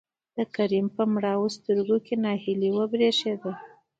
د کريم مړاوو سترګو کې نهيلي وبرېښېده.